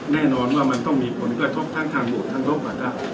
แน่นอนว่ามันต้องมีผลกระทบทั้งทางโบสถ์ทั้งโบสถ์ประทับ